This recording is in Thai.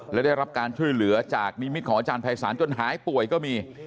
และได้รับการช่วยเหลือจากนิมิตของอาจารย์ภัยศาลจนหายป่วยก็มี